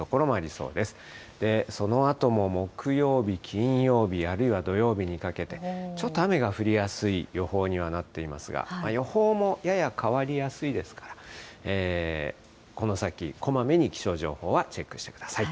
そのあとも木曜日、金曜日、あるいは土曜日にかけて、ちょっと雨が降りやすい予報にはなっていますが、予報もやや変わりやすいですから、この先、こまめに気象情報はチェックしてください。